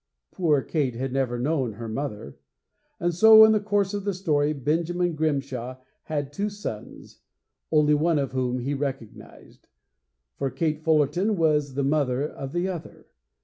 Poor Kate had never known her mother. And so, in the course of the story, Benjamin Grimshaw had two sons, only one of whom he recognized. For Kate Fullerton was the mother of the other.